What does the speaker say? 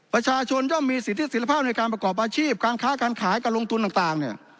ประชาชนย่อมมีสิทธิศิภาพในการประกอบอาชีพการค้าการขายการลงทุนต่าง